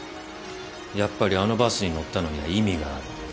やっぱりあのバスに乗ったのには意味がある